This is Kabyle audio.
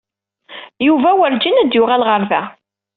Yuba werǧin ad d-yuɣal ɣer da.